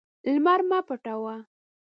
لمر مه پټوه.